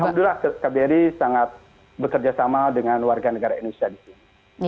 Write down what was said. alhamdulillah kbri sangat bekerjasama dengan warga negara indonesia di sini